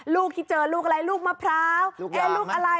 ลูกที่เจอลูกอะไรลูกมะพร้าวลูกอะไร